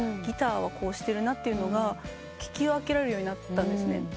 ギターはこうしてるなってのが聞き分けられるようになったんですね。